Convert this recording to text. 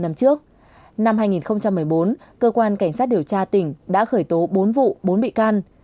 năm trước năm hai nghìn một mươi bốn cơ quan cảnh sát điều tra tỉnh đã khởi tố bốn vụ bốn bị can